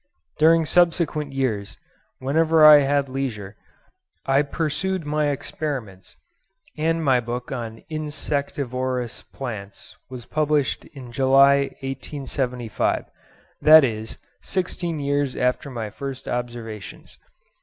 During subsequent years, whenever I had leisure, I pursued my experiments, and my book on 'Insectivorous Plants' was published in July 1875—that is, sixteen years after my first observations.